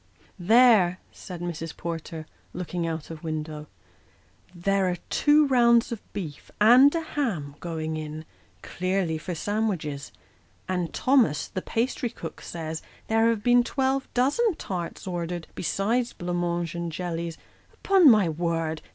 " There !" said Mrs. Porter, looking out of window ;" there are two rounds of beef and a ham going in clearly for sandwiches ; and Thomas, the pastrycook, says, there have been twelve dozen tarts ordered, besides blanc mange and jellies. Upon my word